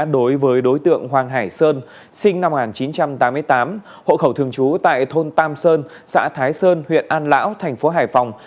đối với đối tượng hoàng hải sơn sinh năm một nghìn chín trăm tám mươi tám hộ khẩu thường trú tại thôn tam sơn xã thái sơn huyện an lão thành phố hải phòng